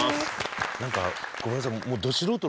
なんかごめんなさい。